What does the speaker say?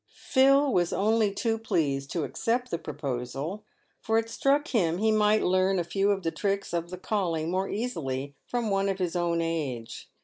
Phil was only too pleased to accept the proposal, for it struck him he might learn a few of the tricks of the calling more easily from one of his own age.